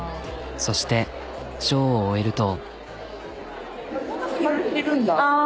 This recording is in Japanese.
そしてショーを終えると。